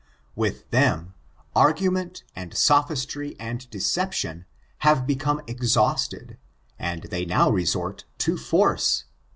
With them argument;, and sophistry, and deception, have become exhausted, and they now resort to force.